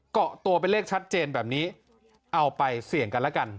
เกาะตัวเป็นเลขชัดเจนแบบนี้เอาไปเสี่ยงกันแล้วกัน